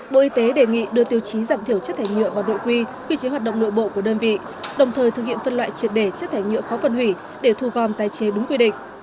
bộ y tế đề nghị đưa tiêu chí giảm thiểu chất thải nhựa vào đội quy quy chế hoạt động nội bộ của đơn vị đồng thời thực hiện phân loại triệt để chất thải nhựa khó phân hủy để thu gom tái chế đúng quy định